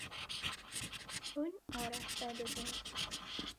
Hûn araste dibin.